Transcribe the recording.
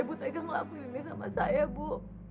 ibu kan udah bilang ini rumah teman ibu